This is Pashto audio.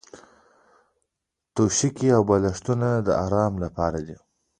توشکې او بالښتونه د ارام لپاره دي.